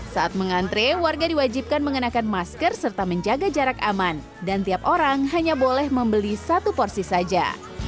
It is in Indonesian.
saat mengantre warga diwajibkan mengenakan masker serta menjaga jarak aman dan tiap orang hanya boleh membeli satu porsi saja